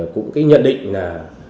cũng nhận định là